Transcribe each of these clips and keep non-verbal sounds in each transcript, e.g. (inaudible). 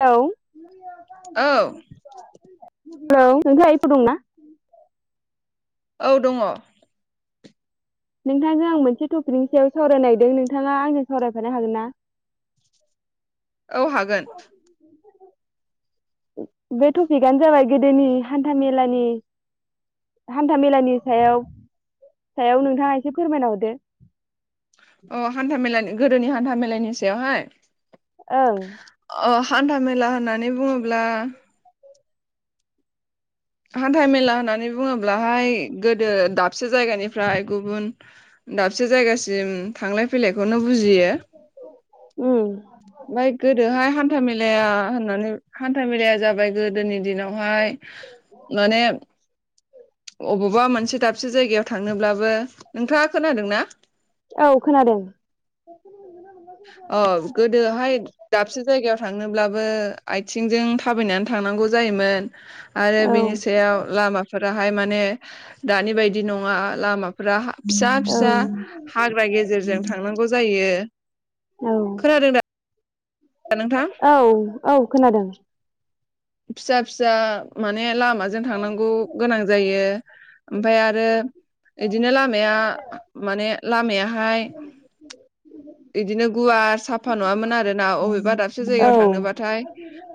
औ औ हेलौ नोंजों (inaudible) दंना औ दङ। नोंथांजों आं मोनसे टपिकनि सायाव सावरायनोागिरदों नोंथाङा आंनो सावरायफानो हागोन ना? (inaudible) औ हागोन। बे टपिकआनो जाबाय गोदोनि हान्था मेलानि हान्था मेलानि सायाव सायाव नोंथाङा एसे फोरमायना हरदो। अ हान्था मेलानि गोदोनि हान्था मेलानि सायावहाय? ओं हान्था मेला होननानै बुङोब्ला हान्था मेला होननानै बुङोब्लाहाय गोदो दाबसे जायगानिफ्राय गुबुन दाबसे जायगासिम थांलाय फैलायखौनो बुजियो। उम ओमफ्राय गोदोहाय हान्था मेलाया हान्था मेलाया जाबाय गोदोनि दिनाव हाय माने अबाव बा मोनसे दाबसे जायगायाव थांनोब्लाबो नोंथाङा खोनादों ना औ खोनादों। अ गोदोहाय दाबसे जायगायाव थांनोब्लाबो आयथिंजों थाबायनानै थांनांगौ जायोमोन। आरो औ बिनि सायाव लामाफोराहाय माने दानि बायदि नङा लामाफोराहा फिसा औ फिसा हाग्रा गेजेरजों थांनांगौ गौ जायो। औ। खोनादों दा नोंथां औ औ खोनादों। फिसा फिसा माने लामाजों थांनांगौ गोनां जायो ओमफाय आरो इदिनो लामाया माने लामायाहाय (inaudible) इदिनो गुवार साफा नङामोन आरो ना अबेबा दाबसे औ जायगायाव थांनोबाथाय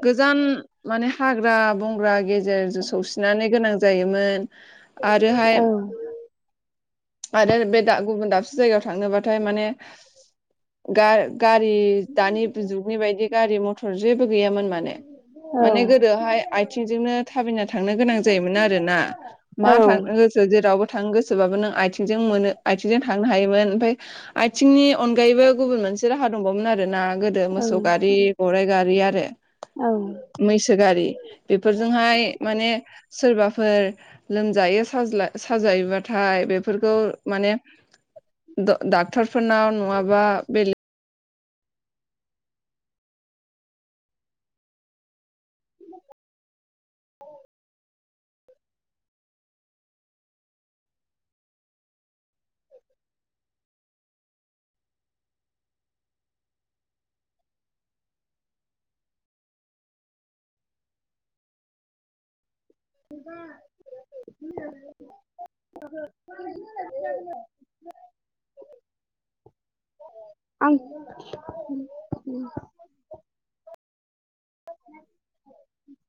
गोजान माने हाग्रा बंग्रा गेजेरजो सौसिनानै गोनां जायोमोन। आरोहाय औ आरो बे दा गुबुन दाबसे जायगायाव थांनोबाथाय माने गा-गारि दानिब जुगनि बायदि गारि मथर जेबो गैयामोन माने। औ माने गोदोहाय आयथिंजोंनो थाबायना थांनो गोनां जायोमोन आरो ना मा औ थां गोसो जेराव आबाव थांनो गोसोबाबो नों आयथिंजों मोनो आयथिंजों थांनो हायोमोन ओमफाय आयथिंनि अनगायैबो गुब गुबुन मोनसे राहा दंबावोमोन आरो ना गोदो औ मोसौ गारि गराइ गारि आरो औ मैसो गारि बेफोरजोंहाय माने सोरबा फोर लोमजायो साज्ला-साजायोबाथाय बेफोरखौ माने ड-डाक्टारफोरनाव नुवाबा बेलेग (inaudible) (inaudible) आं उ (inaudible)